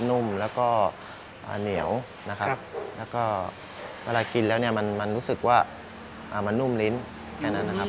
นุ่มแล้วก็เหนียวนะครับแล้วก็เวลากินแล้วเนี่ยมันรู้สึกว่ามันนุ่มลิ้นแค่นั้นนะครับ